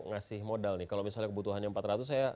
ngasih modal nih kalau misalnya kebutuhannya empat ratus